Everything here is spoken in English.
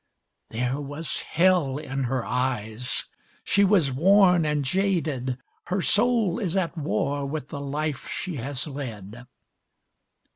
There was hell in her eyes! She was worn and jaded Her soul is at war with the life she has led.